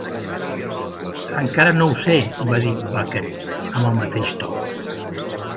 "Encara no ho sé", va dir Bucket amb el mateix to.